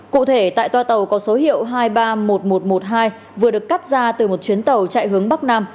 cụ thể tại toa tàu có số hiệu hai trăm ba mươi một nghìn một trăm một mươi hai vừa được cắt ra từ một chuyến tàu chạy hướng bắc nam